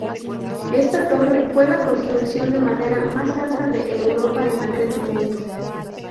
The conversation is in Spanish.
Esta torre fue la construcción de madera más alta de Europa en aquel momento.